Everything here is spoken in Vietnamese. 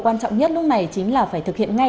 quan trọng nhất lúc này chính là phải thực hiện ngay